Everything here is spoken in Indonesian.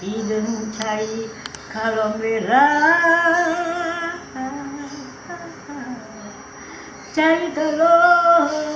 iden cahy kalau merah cahy telah merah